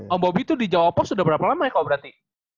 om bobby tuh di jawa post udah berapa lama ya kalo berarti